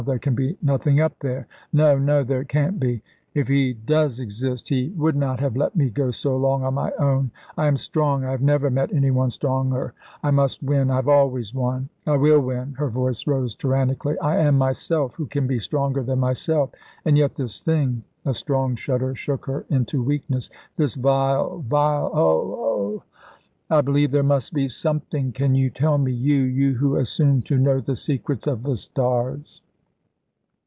There can be nothing up there; no, no there can't be. If He does exist He would not have let me go so long on my own. I am strong I have never met any one stronger. I must win I have always won. I will win!" her voice rose tyrannically. "I am myself; who can be stronger than myself? And yet this thing" a strong shudder shook her into weakness "this vile vile Ugh! ugh! I believe there must be Something. Can you tell me, you you who assume to know the secrets of the stars?"